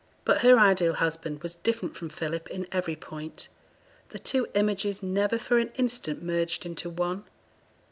But her ideal husband was different from Philip in every point, the two images never for an instant merged into one.